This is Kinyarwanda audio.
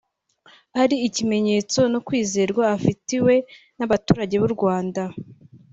ari ikimenyetso no kwizerwa afitiwe n’abaturage b’u Rwanda